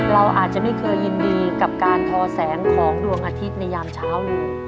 เราอาจจะไม่เคยยินดีกับการทอแสงของดวงอาทิตย์ในยามเช้าเลย